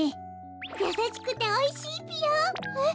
やさしくておいしいぴよ。